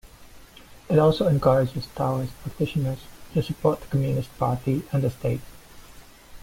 It also encourages Taoist practitioners to support the Communist Party and the state.